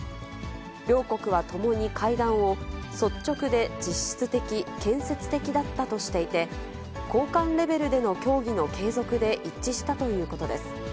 両国はともに会談を、率直で実質的、建設的だったとしていて、高官レベルでの協議の継続で一致したということです。